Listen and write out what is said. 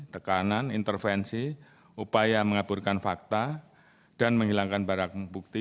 tekanan intervensi upaya mengaburkan fakta dan menghilangkan barang bukti